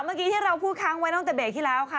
เมื่อกี้ที่เราพูดค้างไว้ตั้งแต่เบรกที่แล้วค่ะ